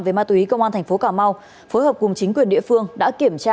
về ma túy công an tp cm phối hợp cùng chính quyền địa phương đã kiểm tra